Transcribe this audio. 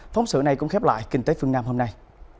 phóng sự này cũng khép lại kinh tế phương nam hôm nay